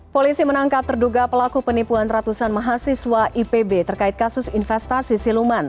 polisi menangkap terduga pelaku penipuan ratusan mahasiswa ipb terkait kasus investasi siluman